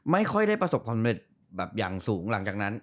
ไม่ค่อยได้ประสบความเร็จแบบอย่างสูงหลังจากนั้น